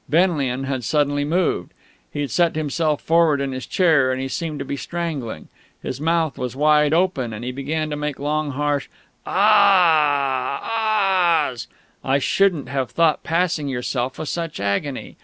Benlian had suddenly moved. He'd set himself forward in his chair, and he seemed to be strangling. His mouth was wide open, and he began to make long harsh "Aaaaah aaaah's!" I shouldn't have thought passing yourself was such agony....